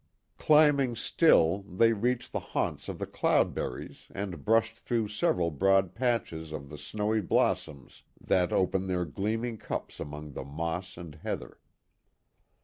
Climbing still, they reached the haunts of the cloud berries and brushed through broad patches of the snowy blossoms that open their gleaming cups among the moss and heather.